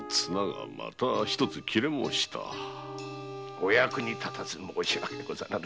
お役に立てず申しわけござらぬ。